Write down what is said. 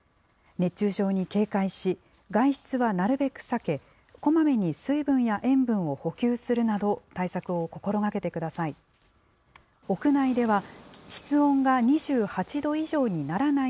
熱中症に警戒し、外出はなるべく避け、こまめに水分や塩分を補給するなど、対策を心がけてください。